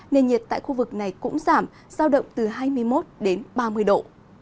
nền nhiệt tại khu vực này cũng giảm giao động từ hai mươi một đến ba mươi độ